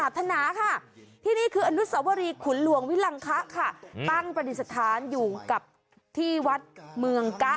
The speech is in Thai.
ที่นี่คืออนุสวรีขุนหลวงวิลังคะค่ะตั้งปฏิสถานอยู่กับที่วัดเมืองกะ